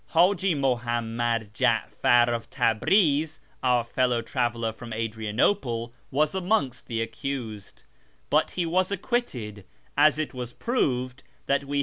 H;iji' IMulianimad Ja'far of Tabriz, our icllow traveller from Adrianoplc, was amongst the accused, Ijut lie was acquitted, as it was proved that wo.